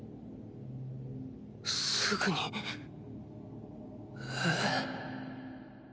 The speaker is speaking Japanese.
すぐにえ？